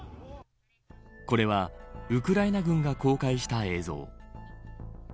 これはウクライナ軍が公開した映像。